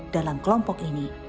dalam kelompok ini